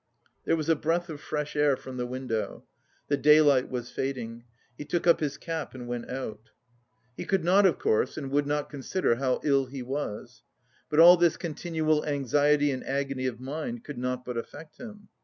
There was a breath of fresh air from the window. The daylight was fading. He took up his cap and went out. He could not, of course, and would not consider how ill he was. But all this continual anxiety and agony of mind could not but affect him.